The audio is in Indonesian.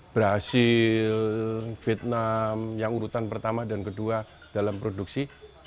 brazil vietnam yang urutan pertama dan kedua dalam produksi